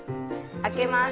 開けます。